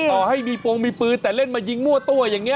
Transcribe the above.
ต่อให้มีโปรงมีปืนแต่เล่นมายิงมั่วตัวอย่างนี้